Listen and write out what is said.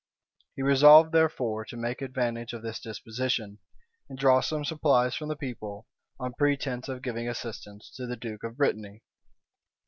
He resolved, therefore to make advantage of this disposition, and draw some supplies from the people, on pretence of giving assistance to the duke of Brittany.